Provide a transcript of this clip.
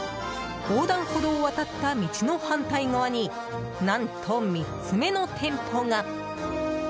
横断歩道を渡った道の反対側に何と３つ目の店舗が！